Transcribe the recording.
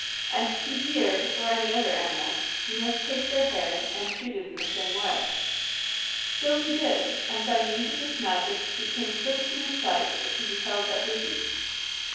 And to see deer, or any other animal, you must take their hair and treat it in the same way." So he did ; and by means of this magic became so keen of sight that he beheld every beast.